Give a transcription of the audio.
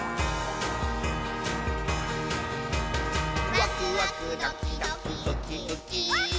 「ワクワクドキドキウキウキ」ウッキー。